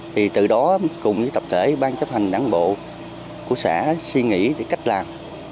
thì từ đó cùng với tập thể ban chấp hành đảng bộ của xã suy nghĩ về cách làm